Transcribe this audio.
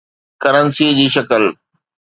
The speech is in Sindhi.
ڪرنسي جي شڪل